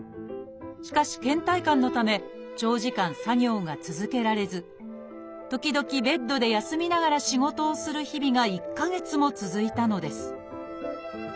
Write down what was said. しかしけん怠感のため長時間作業が続けられず時々ベッドで休みながら仕事をする日々が１か月も続いたのです。